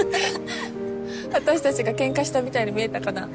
私たちがケンカしたみたいに見えたかな？